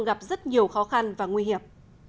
gặp rất nhiều khó khăn và nguy hiểm